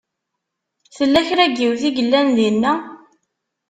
Tella kra n yiwet i yellan dinna?